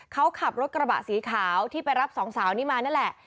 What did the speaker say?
เขาขับรถกระบะสีขาวที่ไปรับสองสาวนี้มานั่นแหละ